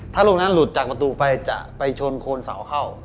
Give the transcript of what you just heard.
ถ้าลูกนั้นหลุดจากประตูไปจะไปชนโคนเสาเข้า